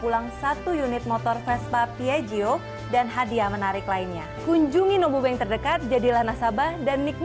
orang yang bergantung air standar tidak bisa bekerja ngebuang